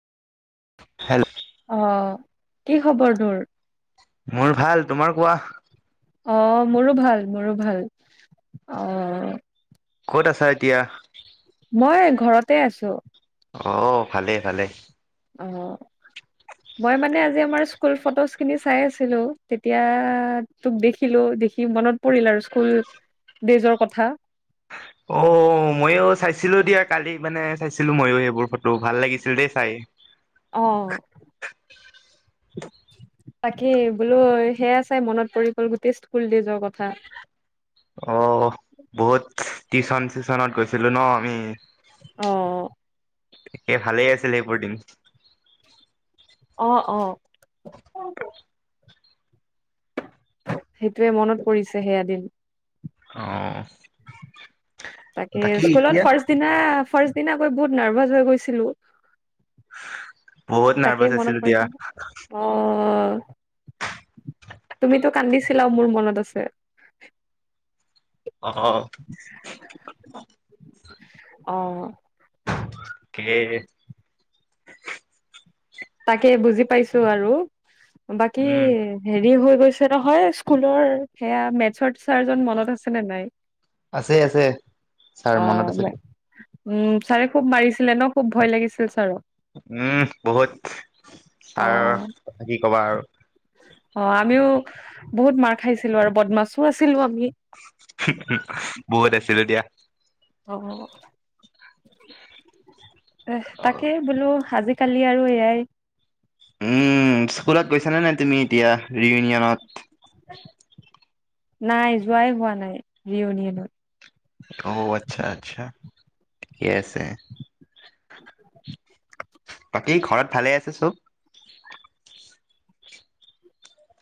Hello আহ কি খবৰ তোৰ? মোৰ ভাল তোমাৰ কোৱা। অ মোৰো ভাল মোৰো ভাল অ। ক'ত আছা এতিয়া? মই ঘৰতে আছো। অ ভালেই ভালে। অ মই মানে আজি আমাৰ স্কুল ফটোজ খিনি চাই আছিলো তেতিয়া তোক দেখিলো দেখি মনত পৰিল আৰু স্কুল ডেইজৰ কথা। অ মইও চাইছো। ছিলো দিয়া কালি মানে চাইছিলো ময়ো সেইবোৰ ফটো ভাল লাগিছিল দেই চাই। আহ [unintelligible] বোলো সেয়া চাই মনত পৰি গ'ল গোটেই স্কুল ডেজৰ কথা অ বহুত টিউচন চিচনত গৈছো । ছিলো ন আমি। আহ সে ভালেই আছিল সেইবোৰ দিন। আহ অ সেইটোৱে মনত পৰিছে সেয়াদিন। আহ তাকে স্কুলত ফাৰ্ষ্ট দিনা ফাৰ্ষ্ট। নিচিনাকৈ বহুত নাৰ্ভাচ হৈ গৈছিলো। বহুত নাৰ্ভাচ তাকেই আছিলো মনত দিয়া পৰিছে অ। তুমি তো কান্দিছা। চিলাও মোৰ মনত আছে। অ অ কে তাকে বুজি পাইছো আৰু। বাকী উম হেৰি হেৰি হৈ গৈছে নহয় স্কুলৰ সেয়া মেথছ ছাৰজন মনত আছে নে নাই আছে আছে ছাৰ অ মনত আছে উম ছাৰে খুব মাৰিছে। ছিলে ন খুব ভয় লাগিছিল ছাৰক। উম বহুত অ ত কি কবা আৰু। অ আমিও বহুত মাৰ খাইছিলো আৰু বদমাছো আছিলো আমি। বহুত আছিলো দিয়া। অ এ তাকেই বোলো আজি কালি আৰু এয়াই উম স্কুলত গৈছানে নাই তুমি এতিয়া ৰিউনিয়নত নাই যোৱাই হোৱা নাই ৰিয়উনিয়নত অ আচ্ছা আচ্ছা ঠিকে আছে বাকী ঘৰত ভালে আছে চব